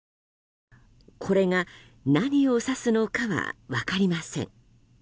これが何を指すのかは分かりません。